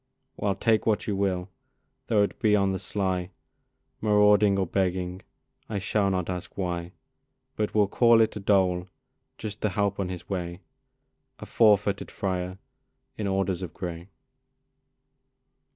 Well, take what you will, though it be on the sly, Marauding or begging, I shall not ask why, But will call it a dole, just to help on his way A four footed friar in orders of gray!